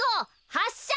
はっしゃ！